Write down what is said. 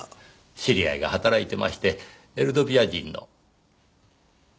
知り合いが働いてましてエルドビア人の。